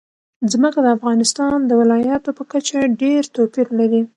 ځمکه د افغانستان د ولایاتو په کچه ډېر توپیر لري.